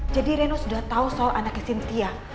jadi reno sudah tahu soal anaknya cynthia